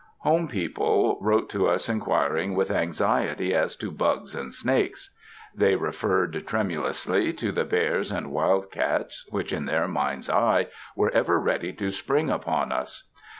Home people wrote to us inquiring with anxiety as to bugs and snakes. They referred tremulously to the bears and wildcats which in their mind's eye, were ever ready to spring upon us.